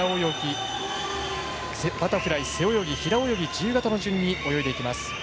バタフライ、背泳ぎ、平泳ぎ自由形の順に泳いでいきます。